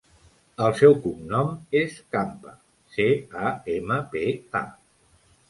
El seu cognom és Campa: ce, a, ema, pe, a.